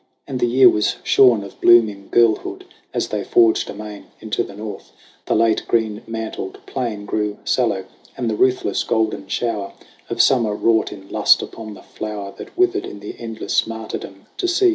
And the year was shorn Of blooming girlhood as they forged amain Into the North ; the late green mantled plain Grew sallow; and the ruthless golden shower Of Summer wrought in lust upon the flower That withered in the endless martyrdom To seed.